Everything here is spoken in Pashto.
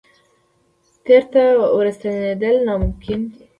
تېر ته ورستنېدل ناممکن دي.